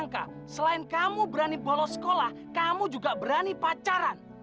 kalau sekolah kamu juga berani pacaran